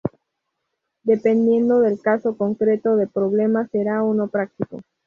Dependiendo del caso concreto de problema será o no práctico.